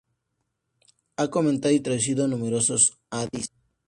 Ha comentado y traducido numerosos hadices.